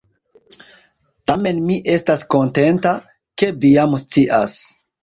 Tamen mi estas kontenta, ke vi jam scias.